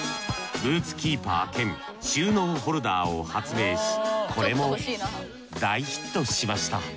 ブーツキーパー兼収納ホルダーを発明しこれも大ヒットしました